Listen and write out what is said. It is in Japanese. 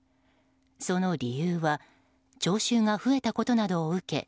その理由は聴衆が増えたことなどを受け